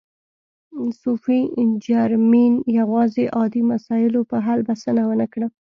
صوفي جرمین یوازې عادي مسایلو په حل بسنه و نه کړه.